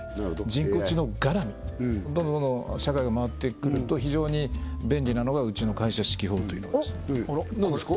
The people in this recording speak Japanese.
人工知能絡みどんどん社会が回ってくると非常に便利なのがうちの会社四季報というのが何ですか？